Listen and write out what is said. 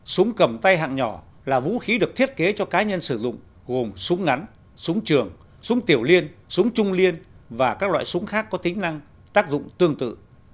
súng cầm tay hạng nhỏ là vũ khí được thiết kế cho cá nhân sử dụng gồm súng ngắn súng trường súng tiểu liên súng trung liên và các loại súng khác có tính năng tác dụng tương tự